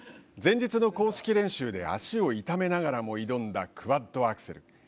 前日の公式練習で足を痛めながらも挑んだクワッドアクセル。